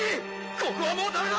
ここはもうだめだ！